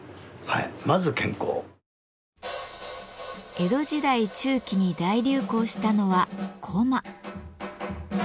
江戸時代中期に大流行したのはこま。